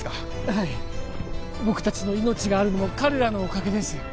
はい僕達の命があるのも彼らのおかげです